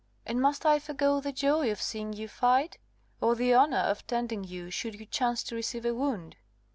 And must I forego the joy of seeing you fight? or the honour of tending you, should you chance to receive a wound?"